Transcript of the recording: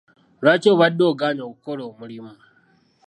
Lwaki obadde ogaanye okukola omulimu.